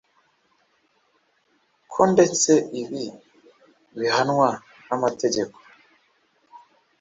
ko ndetse ibi bihanwa n’amategeko